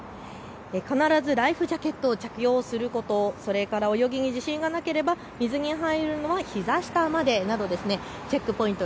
必ずライフジャケットを着用することそれから泳ぎに自信がなければ水に入るのはひざ下までなどチェックポイント